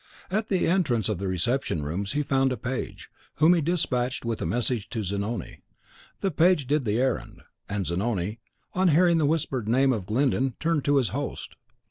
At the entrance of the reception rooms he found a page, whom he despatched with a message to Zanoni. The page did the errand; and Zanoni, on hearing the whispered name of Glyndon, turned to his host.